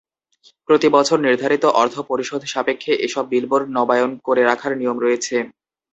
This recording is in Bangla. প্রতিবছর নির্ধারিত অর্থ পরিশোধ সাপেক্ষে এসব বিলবোর্ড নবায়ন করে রাখার নিয়ম রয়েছে।